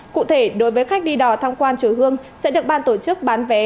cụ thể đối với khách đi đò tham quan chùa hương sẽ được ban tổ chức bán vé